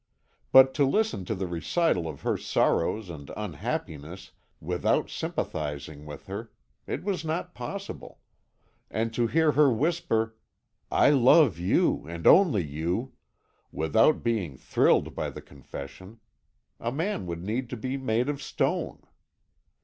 But to listen to the recital of her sorrows and unhappiness without sympathising with her it was not possible; and to hear her whisper, 'I love you, and only you,' without being thrilled by the confession a man would need to be made of stone.